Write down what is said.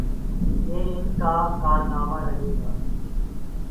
یہ ان کا کارنامہ رہے گا۔